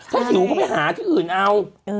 ถ้าหิวก็ไปหาที่อื่นเอา